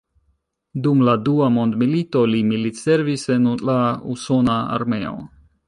Dum la Dua Mondmilito li militservis en la Usona Armeo.